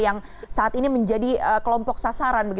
yang saat ini menjadi kelompok sasaran